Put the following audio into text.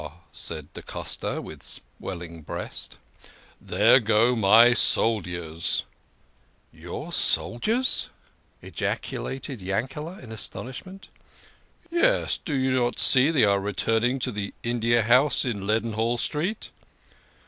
" said da Costa, with swelling breast. " There go my soldiers !"" Your soldiers !" ejaculated Yankete in astonishment. Yes do you not see they are returning to the India House in Leadenhall Street?"